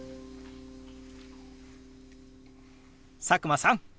佐久間さん！